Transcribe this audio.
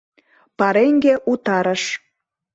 Пареҥге утарыш.